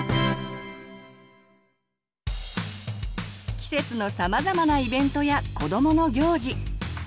季節のさまざまなイベントや子どもの行事。